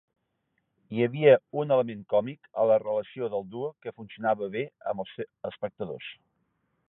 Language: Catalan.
Hi havia un element còmic a la relació del duo que funcionava bé amb els espectadors.